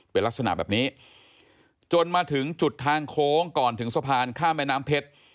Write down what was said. เป็นลักษณะแบบนี้จนมาถึงจุดทางโค้งก่อนถึงสะพานข้ามแม่น้ำเพชร